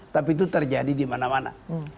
tapi itu terjadi di mana mana